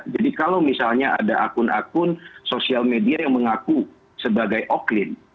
jadi kalau misalnya ada akun akun sosial media yang mengaku sebagai oklin